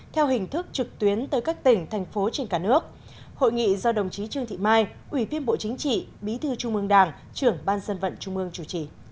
theo hình thức trực tuyến tới các tỉnh thành phố trên cả nước hội nghị do đồng chí trương thị mai ủy viên bộ chính trị bí thư trung mương đảng trưởng ban dân vận trung mương chủ trì